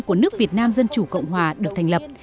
của nước việt nam dân chủ cộng hòa được thành lập